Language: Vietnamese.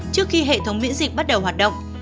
trước khi hệ thống miễn dịch bắt đầu hoạt động